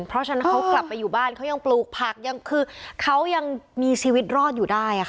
เพราะฉะนั้นเขากลับไปอยู่บ้านเขายังปลูกผักยังคือเขายังมีชีวิตรอดอยู่ได้ค่ะ